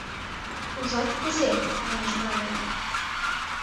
— Ужат, кузе! — манеш Павел.